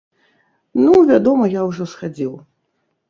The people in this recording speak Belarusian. Ну, вядома, я ўжо схадзіў.